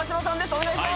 お願いします